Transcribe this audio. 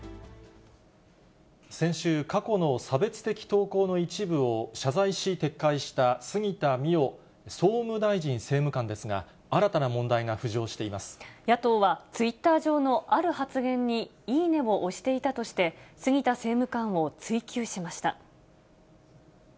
先週、過去の差別的投稿の一部を謝罪し、撤回した、杉田水脈総務大臣政務官ですが、野党は、ツイッター上のある発言にいいねを押していたとして、杉田政務官を追及しました。